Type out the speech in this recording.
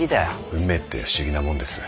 運命って不思議なもんです。